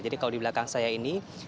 jadi kalau di belakang saya ini